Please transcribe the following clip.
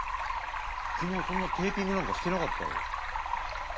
昨日そんなテーピングなんかしてなかったろ。